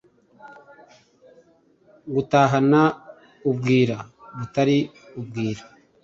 Gutahana ubwira butari bwira.